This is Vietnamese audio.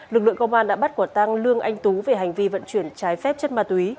lực lượng công an đã bắt quả tăng lương anh tú về hành vi vận chuyển trái phép chất ma túy